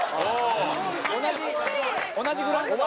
同じグラウンドだ。